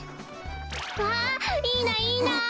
わあいいないいな。